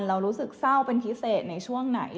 เรารู้สึกเศร้าเป็นพิเศษในช่วงไหน